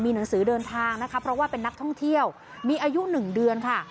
หนังสือเดินทางนะคะเพราะว่าเป็นนักท่องเที่ยวมีอายุ๑เดือนค่ะ